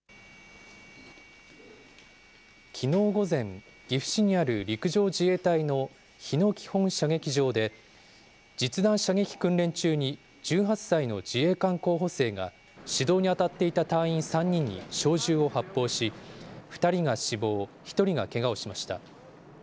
きのう午前、岐阜市にある陸上自衛隊の日野基本射撃場で、実弾射撃訓練中に１８歳の自衛官候補生が、指導に当たっていた隊員３人に小銃を発砲し、２人が死亡、１人がけがをしました。